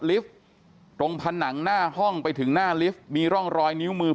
ลิฟต์ตรงผนังหน้าห้องไปถึงหน้าลิฟต์มีร่องรอยนิ้วมือ